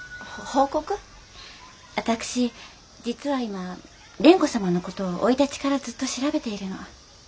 私実は今蓮子様の事を生い立ちからずっと調べているの。